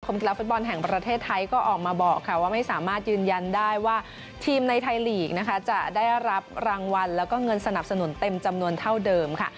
กีฬาฟุตบอลแห่งประเทศไทยก็ออกมาบอกค่ะว่าไม่สามารถยืนยันได้ว่าทีมในไทยลีกนะคะจะได้รับรางวัลแล้วก็เงินสนับสนุนเต็มจำนวนเท่าเดิมค่ะ